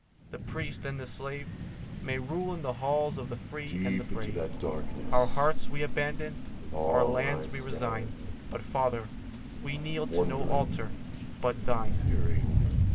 The priest and the slave May rule in the halls of the free and the brave. Our hearths we abandon; our lands we resign; But, Father, we kneel to no altar but thine.